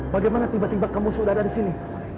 bagaimana tiba tiba kamu sudah ada disini